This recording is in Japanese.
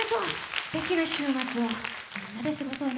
すてきな週末をみんなで過ごそうね。